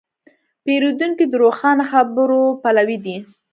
پیرودونکی د روښانه خبرو پلوی دی.